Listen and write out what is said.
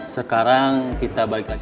sekarang kita balik lagi